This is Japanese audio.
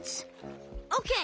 オッケー。